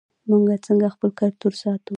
موږ څنګه خپل کلتور ساتو؟